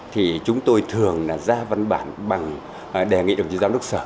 thì chúng tôi thường ra văn bản bằng đề nghị đồng chí giám đốc sở